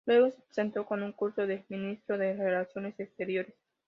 Luego, se presentó en un concurso del Ministerio de Relaciones Exteriores.